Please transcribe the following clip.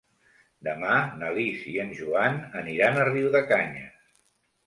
Demà na Lis i en Joan aniran a Riudecanyes.